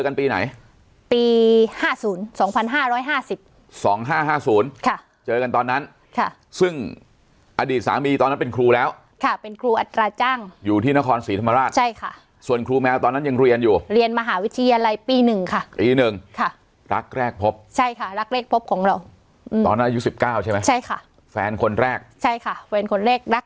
กันปีไหนปีห้าศูนย์สองพันห้าร้อยห้าสิบสองห้าห้าศูนย์ค่ะเจอกันตอนนั้นค่ะซึ่งอดีตสามีตอนนั้นเป็นครูแล้วค่ะเป็นครูอัตราจ้างอยู่ที่นครศรีธรรมราชใช่ค่ะส่วนครูแมวตอนนั้นยังเรียนอยู่เรียนมหาวิทยาลัยปีหนึ่งค่ะปีหนึ่งค่ะรักแรกพบใช่ค่ะรักเลขพบของเราอืมตอนนั้นอายุสิบเก้าใช่ไหมใช่ค่ะแฟนคนแรกใช่ค่ะแฟนคนเล็กรัก